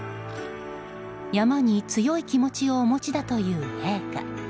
山に強い気持ちをお持ちだという陛下。